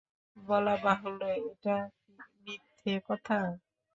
বলা বাহুল্য এটা মিথ্যে কথা।